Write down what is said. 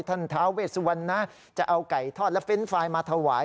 ท้าเวสวันนะจะเอาไก่ทอดและเฟรนด์ไฟล์มาถวาย